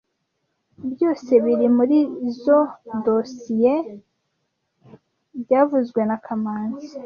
Byose biri murizoi dosizoe byavuzwe na kamanzi